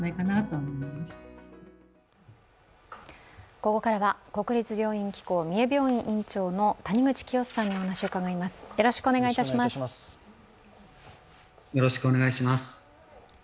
ここからは国立病院機構三重病院院長の谷口清州さんにお話を伺います。